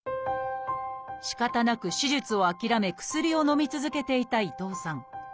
しかたなく手術を諦め薬をのみ続けていた伊藤さん。